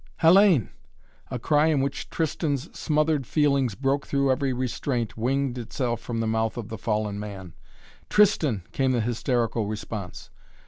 "Hellayne!" A cry in which Tristan's smothered feelings broke through every restraint winged itself from the mouth of the fallen man. "Tristan!" came the hysterical response.